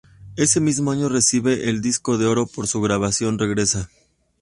Ese mismo año recibe el "Disco de Oro" por su grabación ""Regresa"".